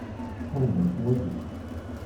Qewmemt waki.